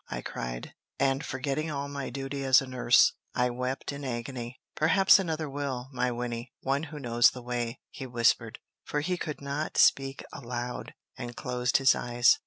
I cried; and, forgetting all my duty as a nurse, I wept in agony. "Perhaps another will, my Wynnie, one who knows the way," he whispered; for he could not speak aloud, and closed his eyes.